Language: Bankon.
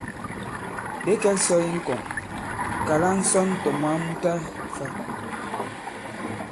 Ɓě kɛ̄k sɔ̄ i ŋkɔŋ, kàla ŋsɔn tɔ̀ moi mu ta fā.